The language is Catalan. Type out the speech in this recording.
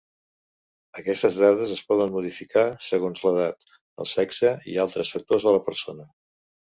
Aquestes dades es poden modificar segons l'edat, el sexe i altres factors de la persona.